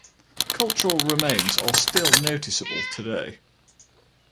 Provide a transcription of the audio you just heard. Cultural remains are still noticeable today.